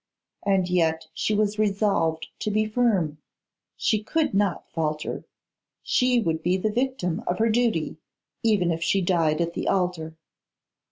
And yet she was resolved to be firm; she could not falter; she would be the victim of her duty even if she died at the altar.